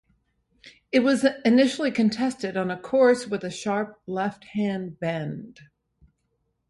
It was initially contested on a course with a sharp left-hand bend.